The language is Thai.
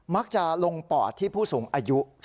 มักจะลงปอดที่ผู้สูงอายุ